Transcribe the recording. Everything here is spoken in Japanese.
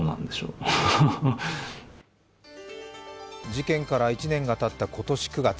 事件から１年がたった今年９月。